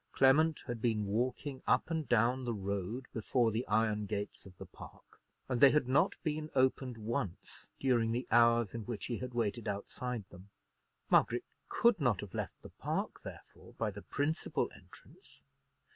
Clement had been walking up and down the road before the iron gates of the park, and they had not been opened once during the hours in which he had waited outside them. Margaret could not have left the park, therefore, by the principal entrance.